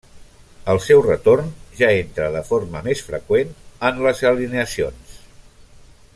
Al seu retorn ja entra de forma més freqüent en les alineacions.